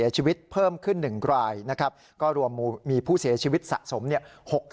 ชีวิตสะสม๖๖รายนะค่ะ